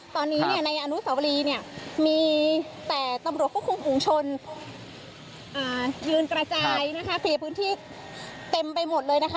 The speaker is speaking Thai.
ตอนนี้เนี่ยในอนุสาวรีเนี่ยมีแต่ตำรวจควบคุมฝุงชนยืนกระจายนะคะเคลียร์พื้นที่เต็มไปหมดเลยนะคะ